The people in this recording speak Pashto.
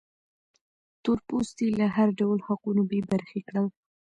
تور پوستي له هر ډول حقونو بې برخې کړل.